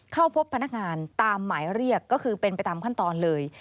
เข้าพบพนักงานตามหมายเรียกก็คือเป็นไปตามขั้นตอนเลย